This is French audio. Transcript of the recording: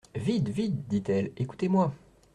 Vite ! Vite ! dit-elle, écoutez-moi.